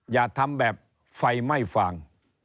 อย่าทำแบบไฟไม่ฟาง